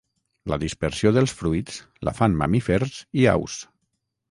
La dispersió dels fruits la fan mamífers i aus.